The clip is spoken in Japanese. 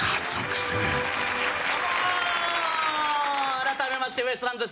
改めまして、ウエストランドです。